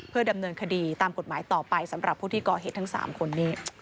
ดำเนินคดีตามกฎหมายต่อไปสำหรับผู้ที่ก่อเหตุทั้ง๓คนนี้